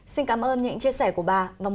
xin cảm ơn những chia sẻ của bà